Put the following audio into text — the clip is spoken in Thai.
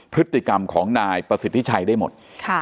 พฤติกรรมของนายประสิทธิชัยได้หมด